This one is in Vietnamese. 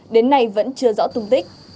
đến nay vẫn chưa rõ tung tích